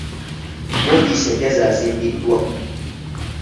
Woofiisi empya zaazimbiddwa.